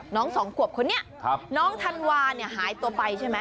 สองขวบคนนี้น้องธันวาเนี่ยหายตัวไปใช่ไหม